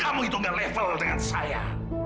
kamu itu gak level dengan saya